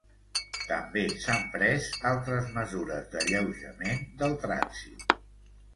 També s'han pres altres mesures d'alleujament del trànsit.